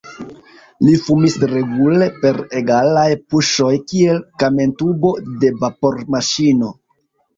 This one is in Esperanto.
Li fumis regule, per egalaj puŝoj, kiel kamentubo de vapormaŝino.